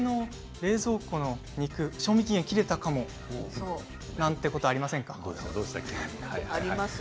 冷蔵庫の肉消費期限、切れていた！なんてことありませんか？